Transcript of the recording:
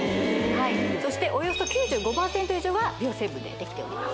そしておよそ９５％以上が美容成分でできております